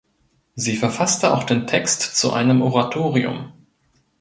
Sie verfasste auch den Text zu einem Oratorium.